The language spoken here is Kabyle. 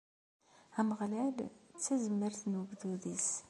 Ameɣlal d tazmert n wegdud-is.